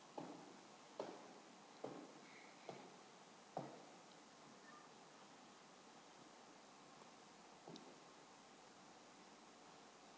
pernyataan pengukuhan oleh pembina upacara